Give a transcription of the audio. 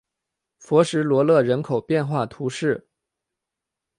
弗什罗勒人口变化图示